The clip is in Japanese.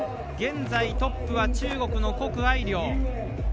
現在トップは中国の谷愛凌。